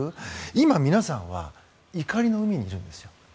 今、皆さんは怒りの海にいるんですよ。